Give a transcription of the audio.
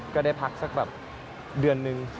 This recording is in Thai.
ก็ได้พักสักแบบเดือนนึง